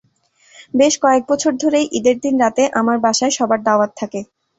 বেশ কয়েক বছর ধরেই ঈদের দিন রাতে আমার বাসায় সবার দাওয়াত থাকে।